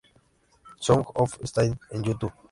Song of Style en YouTube.